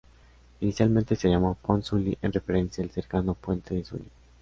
Inicialmente, se llamó "Pont Sully", en referencia al cercano puente de Sully.